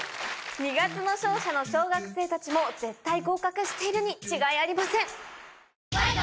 『二月の勝者』の小学生たちも絶対合格しているに違いありません。